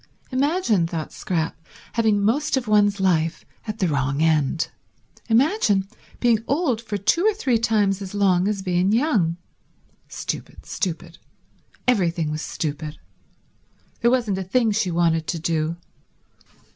Imagine, thought Scrap, having most of one's life at the wrong end. Imagine being old for two or three times as long as being young. Stupid, stupid. Everything was stupid. There wasn't a thing she wanted to do.